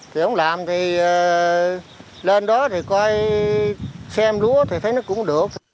thì ông làm thì lên đó thì coi xem lúa thì thấy nó cũng được